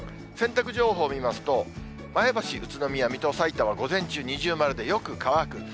洗濯情報見ますと、前橋、宇都宮、水戸、さいたまは、午前中、二重丸でよく乾く。